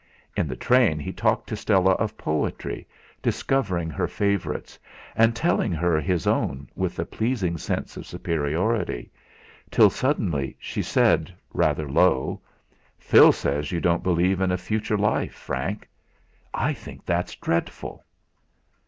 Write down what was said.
In the train he talked to Stella of poetry, discovering her favourites, and telling her his own with a pleasing sense of superiority; till suddenly she said, rather low: "Phil says you don't believe in a future life, Frank. I think that's dreadful."